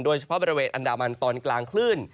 โดยเฉพาะบริเวณอันดามันตอนกลางคลื่น